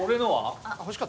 欲しかった？